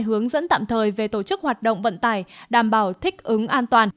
hướng dẫn tạm thời về tổ chức hoạt động vận tải đảm bảo thích ứng an toàn